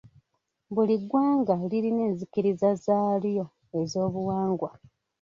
Buli ggwanga lirina enzikiriza zaalyo z'obuwangwa.